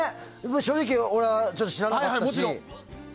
正直、俺は知らなかったし。